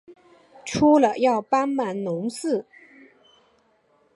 除了要帮忙农事